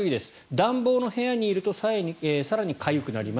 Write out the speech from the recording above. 暖房の部屋にいると更にかゆくなります